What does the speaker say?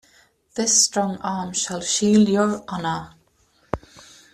This strong arm shall shield your honor.